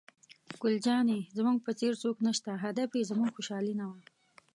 ګل جانې: زموږ په څېر څوک نشته، هدف یې زموږ خوشحالي نه وه.